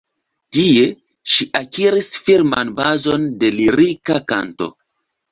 Tie, ŝi akiris firman bazon de lirika kanto.